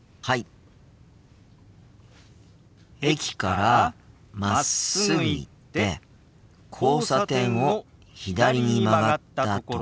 駅からまっすぐ行って交差点を左に曲がったところだよ。